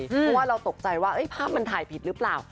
เพราะว่าเราตกใจว่าภาพมันถ่ายผิดหรือเปล่า